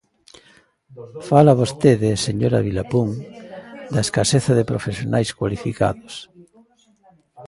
Fala vostede, señora Vilapún, da escaseza de profesionais cualificados.